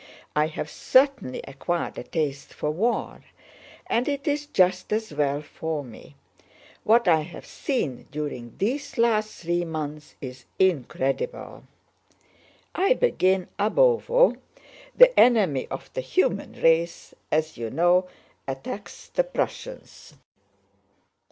I have certainly acquired a taste for war, and it is just as well for me; what I have seen during these last three months is incredible. "I begin ab ovo. 'The enemy of the human race,' as you know, attacks the Prussians.